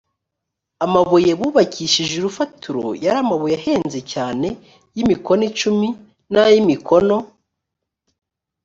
amabuye bubakishije urufatiro yari amabuye ahenze cyane y imikono icumi n ay imikono